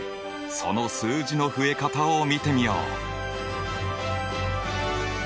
その数字の増え方を見てみよう！